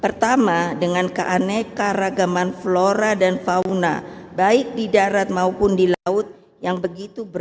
pertama dengan keaneka ragaman flora dan fauna baik di darat maupun di laut yang begitu berat